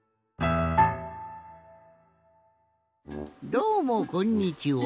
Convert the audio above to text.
どうもこんにちは。